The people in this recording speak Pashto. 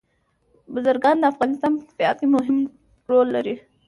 بزګان د افغانستان په طبیعت کې مهم رول لري.